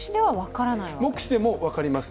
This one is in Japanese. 目視でも分かります。